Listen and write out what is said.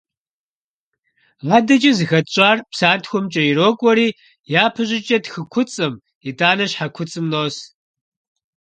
АдэкӀэ зыхэтщӀар псантхуэхэмкӀэ ирокӀуэри япэ щӀыкӀэ тхы куцӀым, итӀанэ щхьэ куцӀым нос.